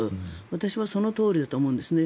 私はそのとおりだと思うんです。